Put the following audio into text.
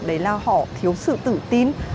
đó là họ thiếu sự tự tin